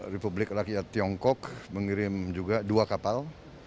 republik rakyat tiongkok mengirim juga dua kapal